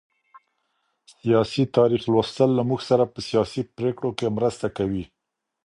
سياسي تاريخ لوستل له موږ سره په سياسي پرېکړو کي مرسته کوي.